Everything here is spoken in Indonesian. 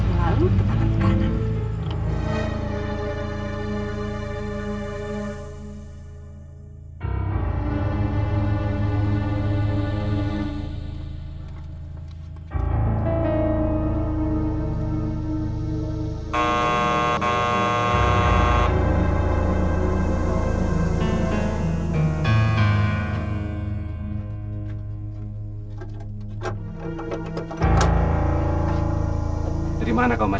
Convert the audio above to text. lalu tekanan kanan